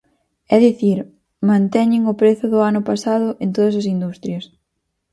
É dicir, manteñen o prezo do ano pasado en todas as industrias.